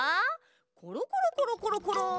ころころころころころ。